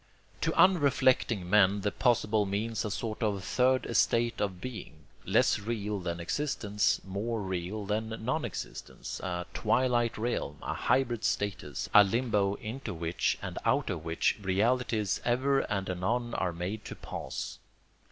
To unreflecting men the possible means a sort of third estate of being, less real than existence, more real than non existence, a twilight realm, a hybrid status, a limbo into which and out of which realities ever and anon are made to pass.